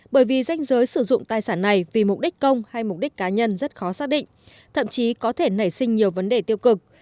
bởi vì danh giới sử dụng tài sản này vì mục đích công hay mục đích cá nhân rất khó xác định thậm chí có thể nảy sinh nhiều vấn đề tiêu cực